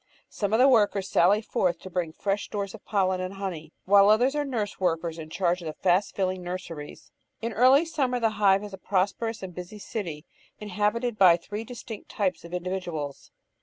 Some of the workers sally forth to bring in fresh stores of pollen and honey, while others are nurse workers in charge of the fast filling nurseries. In early summer the hive is a prosperous and busy city, inhabited by three distinct types of individuals.